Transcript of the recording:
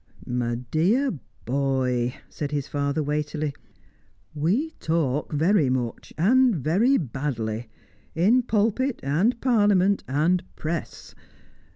"My dear boy," said his father weightily, "we talk very much, and very badly; in pulpit, and Parliament, and press.